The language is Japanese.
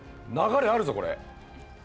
流れあるぞこれ。